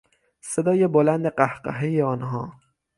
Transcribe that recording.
صدای بلند قهقههی آنها